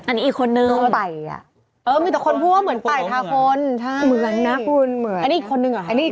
อันนี้อีกคนนึง